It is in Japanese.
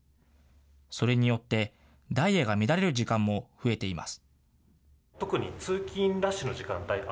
それによって、ダイヤが乱れる時間も増えています。